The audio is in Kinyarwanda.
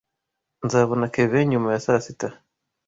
Nzabona Kevin nyuma ya saa sita.